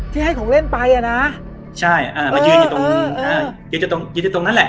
ที่ให้ของเล่นไปอ่ะนะใช่อ่ามายืนอยู่ตรงอ่ายืนตรงกินตรงนั้นแหละ